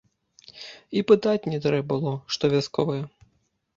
І пытаць не трэ было, што вясковыя.